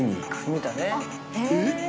見たね。